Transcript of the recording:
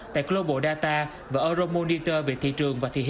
tại global data và euromonitor